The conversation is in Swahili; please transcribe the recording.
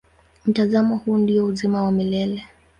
Mtazamo huo ndio uzima wa milele.